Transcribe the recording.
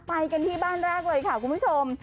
ไปกันที่บ้านแรกเลยค่ะคุณผู้ชม